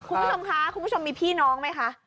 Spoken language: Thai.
คุณผู้ชมคะคุณผู้ชมมีพี่น้องไหมคะ